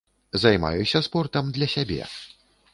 Займаюся спортам для сябе.